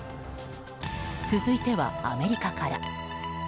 続いては、アメリカから。